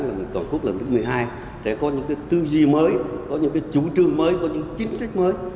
đại hội lần thứ một mươi hai sẽ có những tư duy mới có những chú trương mới có những chính sách mới